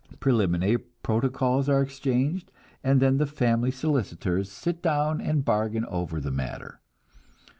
Preliminary protocols are exchanged, and then the family solicitors sit down and bargain over the matter.